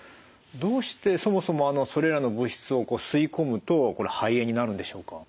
どうしてそもそもそれらの物質を吸い込むと肺炎になるんでしょうか？